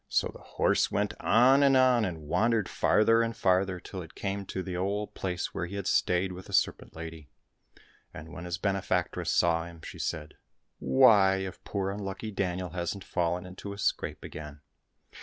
So the horse went on and on, and wandered farther and farther, till it came to the old place where he had stayed with the Serpent Lady. And when his benefactress saw him, she said, " Why, if poor unlucky Daniel hasn't fallen into a scrape again."